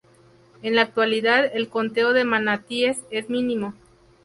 En la actualidad el conteo de manatíes es mínimo.